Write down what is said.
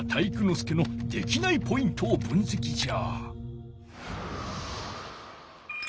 介のできないポイントを分せきじゃ。